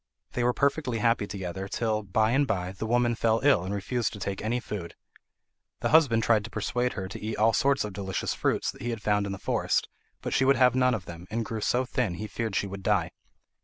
They were perfectly happy together till, by and by, the woman fell ill and refused to take any food. The husband tried to persuade her to eat all sorts of delicious fruits that he had found in the forest, but she would have none of them, and grew so thin he feared she would die.